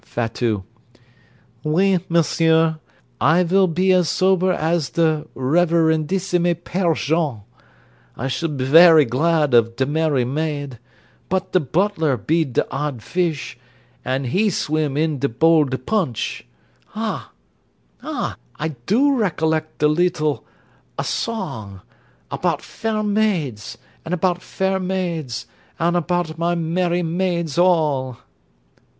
FATOUT Oui, monsieur; I vil be as sober as de révérendissime père Jean. I should be ver glad of de merry maid; but de butler be de odd fish, and he swim in de bowl de ponch. Ah! ah! I do recollect de leetle a song: 'About fair maids, and about fair maids, and about my merry maids all.'